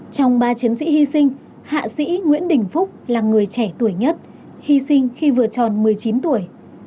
trong ba chiến sĩ hy sinh hạ sĩ nguyễn đình phúc là người trẻ tuổi nhất hy sinh khi vừa tròn một mươi chín tuổi